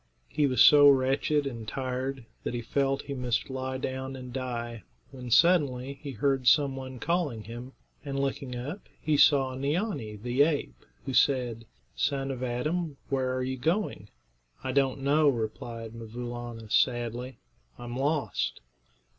He was so wretched and tired that he felt he must lie down and die, when suddenly he heard some one calling him, and looking up he saw Neeanee, the ape, who said, "Son of Adam, where are you going?" "I don't know," replied 'Mvoo Laana, sadly; "I'm lost."